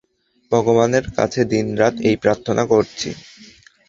ভগবানের কাছে দিনরাত এই প্রার্থনা করছি।